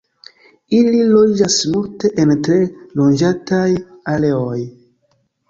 Ili loĝas multe en tre loĝataj areoj.